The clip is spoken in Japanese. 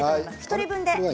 １人分で。